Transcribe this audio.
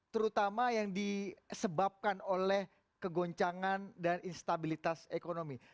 terutama yang disebabkan oleh kegoncangan dan instabilitas ekonomi